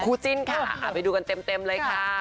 คุณซิ่งค่ะไม่ดูกันเต็มเลยค่ะ